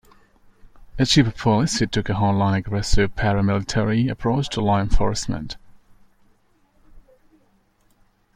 As chief of police, he took a hardline, aggressive, paramilitary approach to law enforcement.